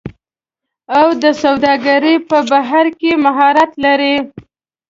او د سوداګرۍ په برخه کې مهارت لري